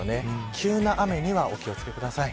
急な雨にはお気を付けください。